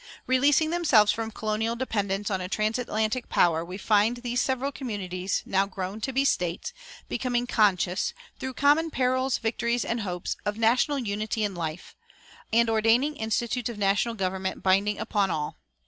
Releasing themselves from colonial dependence on a transatlantic power, we find these several communities, now grown to be States, becoming conscious, through common perils, victories, and hopes, of national unity and life, and ordaining institutes of national government binding upon all.